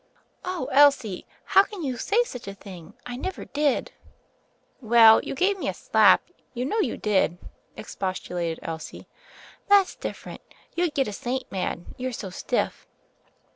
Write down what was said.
"Oh, Elsie, how can you say such a thing? I never did 1" "Well, you gave me a slap I You know you did," expostulated Elsie. "That's different. You'd get a saint mad; you're so stiff."